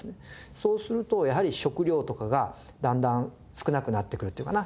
そうするとやはり食料とかがだんだん少なくなってくるっていうかな。